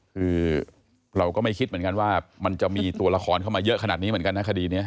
คือเราก็ไม่คิดเหมือนกันว่ามันจะมีตัวละครเข้ามาเยอะขนาดนี้เหมือนกันนะคดีนี้